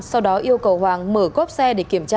sau đó yêu cầu hoàng mở cốp xe để kiểm tra